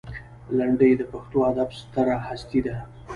لنډۍ د پښتو ادب ستره هستي ده.